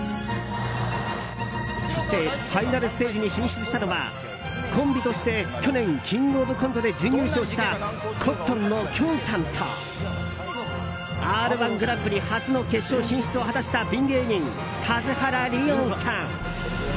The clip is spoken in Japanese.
そしてファイナルステージに進出したのはコンビとして去年「キングオブコント」で準優勝したコットンのきょんさんと「Ｒ‐１グランプリ」初の決勝進出を果たしたピン芸人・田津原理音さん。